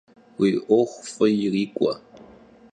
Vui 'uexu f'ı yirik'ue!